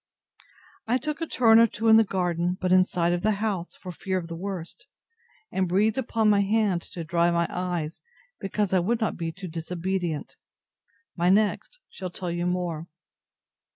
I took a turn or two in the garden, but in sight of the house, for fear of the worst; and breathed upon my hand to dry my eyes, because I would not be too disobedient. My next shall tell you more.